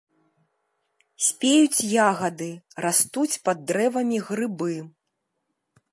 Спеюць ягады, растуць пад дрэвамі грыбы.